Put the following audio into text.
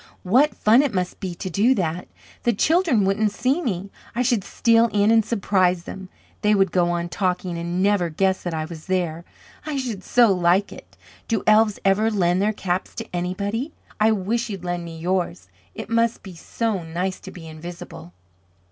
What fun it must be to do that. The children wouldn't see me. I should steal in and surprise them; they would go on talking, and never guess that I was there. I should so like it. Do elves ever lend their caps to anybody? I wish you'd lend me yours. It must be so nice to be invisible."